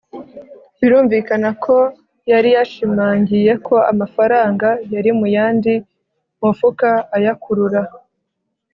birumvikana ko yari yashimangiye ko amafaranga yari mu yandi mufuka, ayakurura